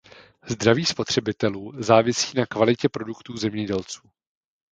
Zdraví spotřebitelů závisí na kvalitě produktů zemědělců.